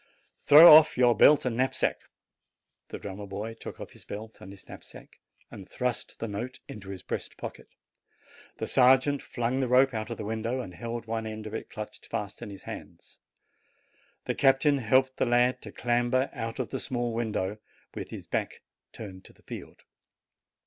Throw off your belt and knapsack." The drummer took off his belt and knapsack and thrust the note into his breast pocket; the sergeant flung the rope out of the window, and held one end of it clutched fast in his hands ; the captain helped the lad to clamber out of the small window, with his back turned to the field.